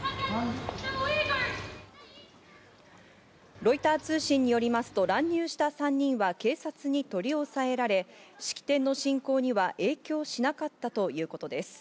ロイター通信によりますと、乱入した３人は警察に取り押さえられ、式典の進行には影響しなかったということです。